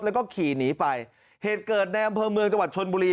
แล้วก็ขี่หนีไปเหตุเกิดในอำเภอเมืองจังหวัดชนบุรี